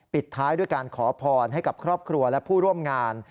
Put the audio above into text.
ท้ายด้วยการขอพรให้กับครอบครัวและผู้ร่วมงาน